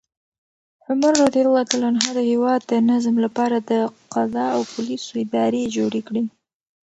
عمر رض د هیواد د نظم لپاره د قضا او پولیسو ادارې جوړې کړې.